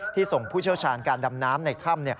ส่งผู้เชี่ยวชาญการดำน้ำในถ้ำ